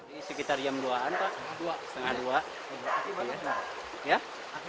ini sekitar jam dua an pak setengah dua